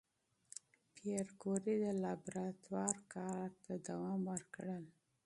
پېیر کوري د لابراتوار کار ته دوام ورکړ.